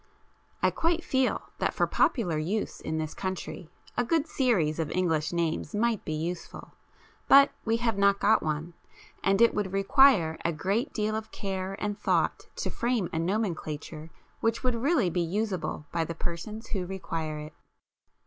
I quite feel that for popular use in this country a good series of English names might be useful, but we have not got one, and it would require a great deal of care and thought to frame a nomenclature which would really be useable by the persons who require it.